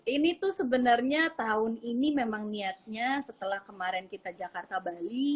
ini tuh sebenarnya tahun ini memang niatnya setelah kemarin kita jakarta bali